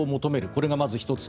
これがまず１つ。